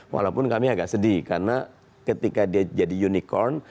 walaupun kami agak sedih karena ketika dia jadi unicorn